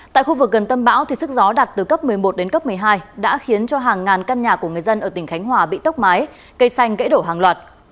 tại khu vực gần tâm bão sức gió đạt từ cấp một mươi một đến cấp một mươi hai đã khiến cho hàng ngàn căn nhà của người dân ở tỉnh khánh hòa bị tốc mái cây xanh gãy đổ hàng loạt